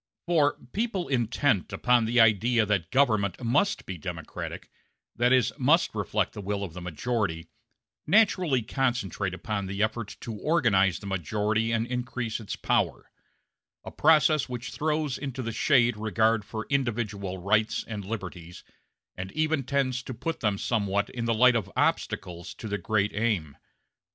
For people intent upon the idea that government must be democratic that is, must reflect the will of the majority naturally concentrate upon the effort to organize the majority and increase its power; a process which throws into the shade regard for individual rights and liberties, and even tends to put them somewhat in the light of obstacles to the great aim.